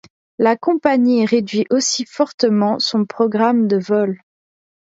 La compagnie réduit aussi fortement son programme de vol.